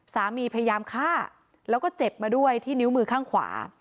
พยายามฆ่าแล้วก็เจ็บมาด้วยที่นิ้วมือข้างขวา